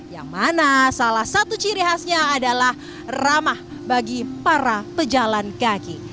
yang mana salah satu ciri khasnya adalah ramah bagi para pejalan kaki